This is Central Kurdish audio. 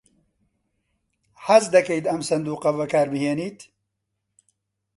حەز دەکەیت ئەم سندووقە بەکاربهێنیت؟